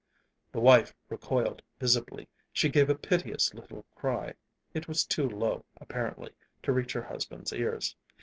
The wife recoiled visibly. She gave a piteous little cry. It was too low, apparently, to reach her husband's ears.